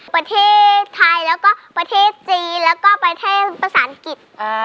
ประเทศไทยประเทศจีนและประเทศภาษาอังกฤษ